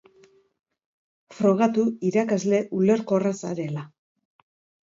Frogatu irakasle ulerkorra zarela!